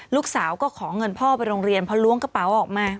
ลูกสาวก็ขอเงินพ่อไปโรงเรียนพอล้วงกระเป๋าออกมา